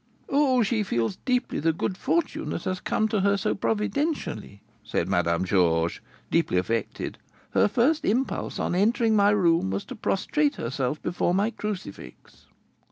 "Oh, she feels deeply the good fortune that has come to her so providentially," said Madame Georges, deeply affected; "her first impulse on entering my room was to prostrate herself before my crucifix."